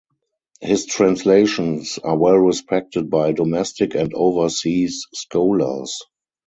His translations are well respected by domestic and overseas scholars.